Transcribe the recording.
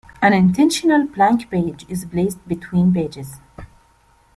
An intentional blank page is placed between pages.